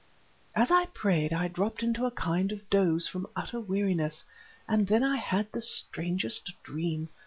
"As I prayed I dropped into a kind of doze from utter weariness, and then I had the strangest dream.